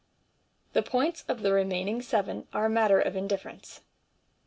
The points of the remaining seven are a matter of indifference.